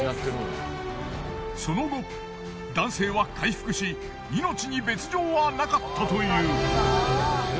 その後男性は回復し命に別状はなかったという。